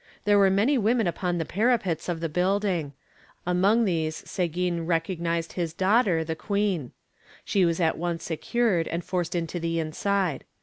There were many women upon the parapets of the building. Among these Seguin recognised his daughter, the queen. She was at once secured and forced into the inside.